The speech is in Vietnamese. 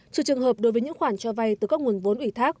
trừ trường hợp đối với những khoản cho vay từ các nguồn vốn ủy thác